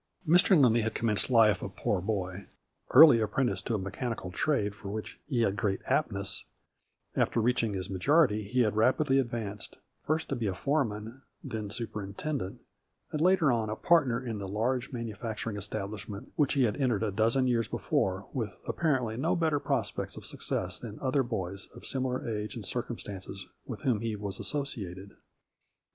Mr. Lindley had commenced life a poor boy. Early apprenticed to a mechanical trade for which he had great aptness, after reaching his majority he had rapidly advanced, first to be a foreman, then superintendent, and later on a partner in the large manufacturing establish ment which he had entered a dozen years before with apparently no better prospects of success than the other boys of similar age and circumstances with whom he was associated.